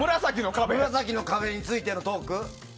紫の壁についてのトーク？